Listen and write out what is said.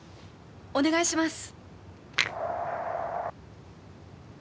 お願いします。